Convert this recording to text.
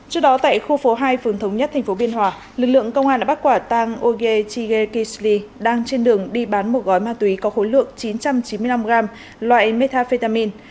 trước đó tại khu phố hai phường thống nhất tp biên hòa lực lượng công an đã bắt quả tăng oyega chide kingsley đang trên đường đi bán một gói ma túy có khối lượng chín trăm chín mươi năm g loại metafetamin